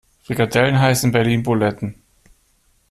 Frikadellen heißen in Berlin Buletten.